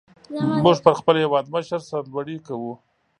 موږ پر خپل هېوادمشر سر لوړي کو.